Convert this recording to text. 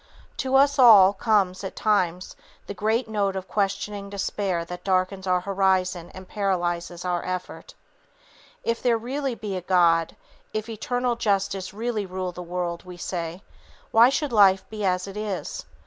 To us all, comes, at times, the great note of questioning despair that darkens our horizon and paralyzes our effort: "If there really be a God, if eternal justice really rule the world," we say, "why should life be as it is?